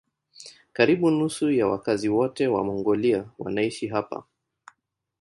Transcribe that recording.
Karibu nusu ya wakazi wote wa Mongolia wanaishi hapa.